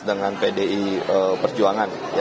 dengan pertensi dengan pdi perjuangan